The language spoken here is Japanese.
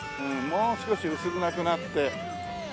もう少し薄暗くなって。